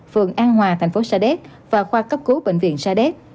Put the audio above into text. phường an hòa thành phố sa đéc và khoa cấp cứu bệnh viện sa đéc